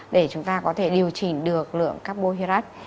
để chúng ta có thể điều chỉnh được lượng cabohirat